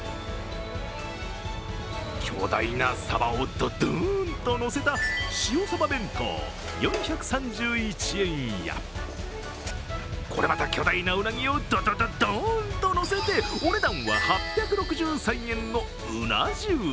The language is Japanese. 巨大なさばをドドーンとのせた塩さば弁当４３１円やこれまた巨大なうなぎをドドドーンとのせて、お値段は８６３円のうな重。